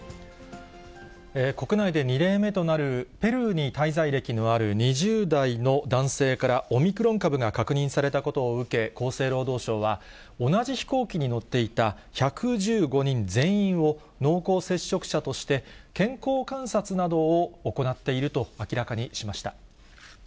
国内で２例目となるペルーに滞在歴のある２０代の男性からオミクロン株が確認されたことを受け、厚生労働省は、同じ飛行機に乗っていた１１５人全員を濃厚接触者として、健康観察などを行っていると明らかにしました。